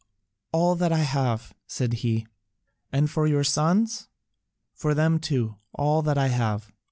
"All that I have," said he. "And for your sons?" "For them too, all that I have."